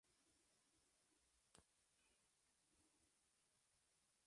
Los prisioneros y vagabundos fueron empleados en diversas industrias y en una próspera granja.